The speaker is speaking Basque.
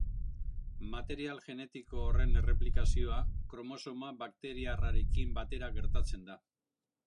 Material genetiko honen erreplikazioa kromosoma bakteriarrarekin batera gertatzen da.